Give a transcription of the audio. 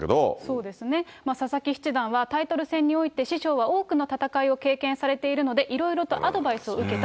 そうですね、佐々木七段はタイトル戦において師匠は多くの戦いを経験されているので、いろいろとアドバイスを受けたと。